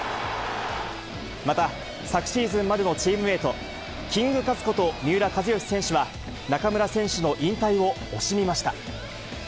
また、昨シーズンまでのチームメート、キングカズこと三浦知良選手は、中村選手の引退を惜しみました。